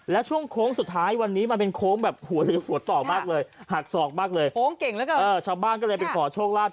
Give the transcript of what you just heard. และช่วงโค้งสุดท้ายวันนี้มันเป็นโค้งหักศอกมากเลยชาวบ้านก็เลยเป็นขอโชคลาด